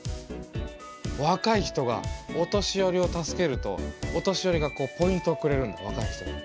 若い人がお年寄りを助けるとお年寄りがこうポイントをくれるんだ若い人に。